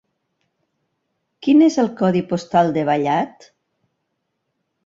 Quin és el codi postal de Vallat?